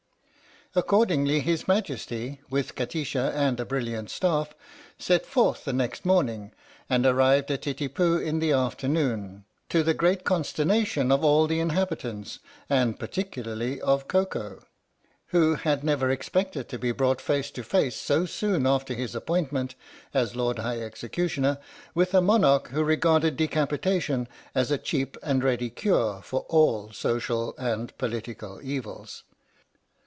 Accordingly His Majesty, with Kati sha and a brilliant staff, set forth the next morning and arrived at Titipu in the afternoon, to the great consternation of all the inhabitants and particularly of Koko, w r ho had never expected to be brought face to face so soon after his appointment 90 THE STORY OF THE MIKADO as Lord High Executioner, with a monarch who regarded decapitation as a cheap and ready cure for all social and political evils.